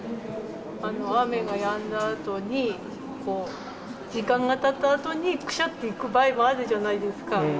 雨がやんだあとに、時間がたったあとに、くしゃっていく場合もあるじゃないですか。